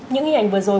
những hình ảnh vừa rồi